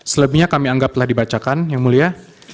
selebihnya kami anggap telah dibacakan yang mulia